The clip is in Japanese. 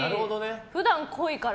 普段、濃いから。